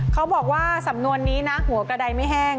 เขาบอกว่าสำนวนนี้นะหัวกระดายไม่แห้ง